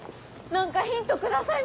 何かヒントください